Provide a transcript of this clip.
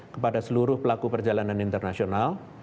kepada seluruh pelaku perjalanan internasional